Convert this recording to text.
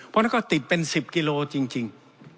เพราะฉะนั้นก็ติดเป็น๑๐กิโลจริง